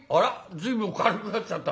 随分軽くなっちゃった。